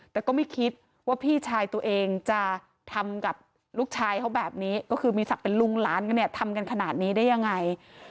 แต่ก็ไม่คิดว่าพี่ชายตัวเองจะทำกับลูกชายเขาแบบนี้ก็คือมีศักดิ์เป็นลุงหลานกันเนี่ยทำกันขนาดนี้ได้ยังไง